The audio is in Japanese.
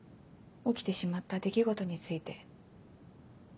起きてしまった出来事について。